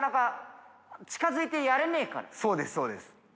そうですそうです。